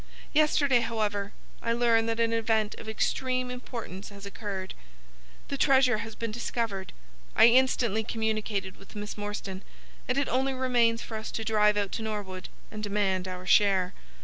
Yesterday, however, I learn that an event of extreme importance has occurred. The treasure has been discovered. I instantly communicated with Miss Morstan, and it only remains for us to drive out to Norwood and demand our share.